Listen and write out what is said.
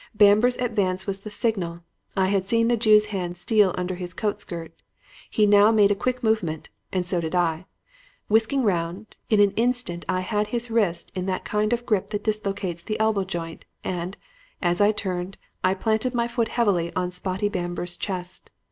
Bamber's advance was the signal. I had seen the Jew's hand steal under his coat skirt. He now made a quick movement and so did I. Whisking round, in an instant I had his wrist in that kind of grip that dislocates the elbow joint, and, as I turned, I planted my foot heavily on Spotty Bamber's chest.